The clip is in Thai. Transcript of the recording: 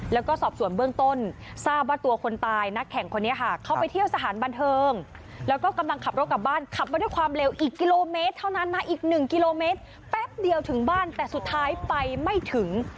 แล้วก็สอบส่วนเบื้องต้นทราบว่าตัวคนตายนักแข่งคนนี้ค่ะเขาไปเที่ยวสถานบันเทิงแล้วก็กำลังขับรถกลับบ้านขับมาด้วยความเร็วอีกกิโลเมตรเท่านั้นนะอีกหนึ่งกิโลเมตรแป๊บเดียวถึงบ้านแต่สุดท้ายไปไม่ถึง